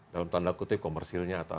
dalam tanda kutip komersilnya